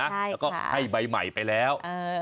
แล้วก็ให้ใบใหม่ไปแล้ว